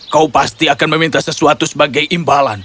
kau pasti akan meminta sesuatu sebagai imbalan